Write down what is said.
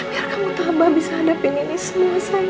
biar kamu tambah bisa hadapin ini semua